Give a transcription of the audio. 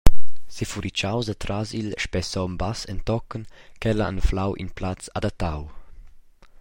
Sefuritgaus atras il spessom bass entochen ch’el ha anflau in plaz adattau.